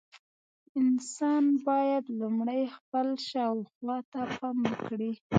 انسان باید لومړی خپل شاوخوا ته پام وکړي.